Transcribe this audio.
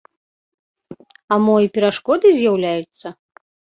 А мо і перашкоды з'яўляюцца?